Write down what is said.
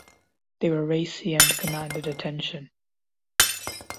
They were racy and commanded attention.